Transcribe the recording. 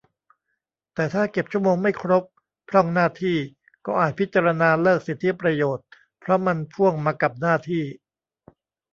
แต่ถ้าเก็บชั่วโมงไม่ครบ พร่องหน้าที่ ก็อาจพิจารณาเลิกสิทธิประโยชน์ เพราะมันพ่วงมากับหน้าที่